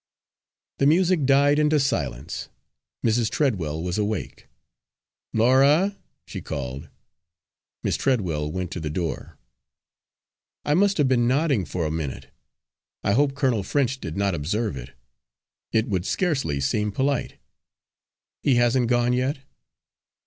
The music died into silence. Mrs. Treadwell was awake. "Laura!" she called. Miss Treadwell went to the door. "I must have been nodding for a minute. I hope Colonel French did not observe it it would scarcely seem polite. He hasn't gone yet?"